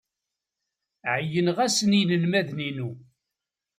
Ɛeyyneɣ-asen i yinelmaden-inu.